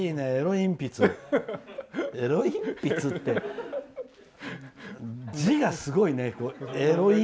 えろいんぴつって、字がすごいね。